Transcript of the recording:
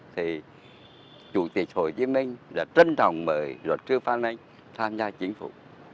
thì chủ tịch hồ chí minh đã trân trọng mời luật sư phan anh tham gia chính phủ